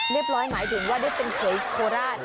เรียบร้อยหมายถึงว่าได้เป็นเคยโคลาด